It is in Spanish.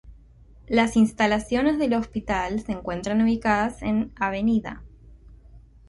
Las instalaciones del hospital se encuentran ubicadas en Av.